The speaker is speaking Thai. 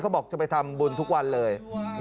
บอกจะไปทำบุญทุกวันเลย